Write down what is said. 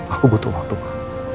aku butuh waktu ma